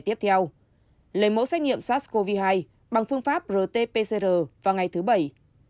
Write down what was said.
tiếp theo lấy mẫu xét nghiệm sars cov hai bằng phương pháp rt pcr vào ngày thứ bảy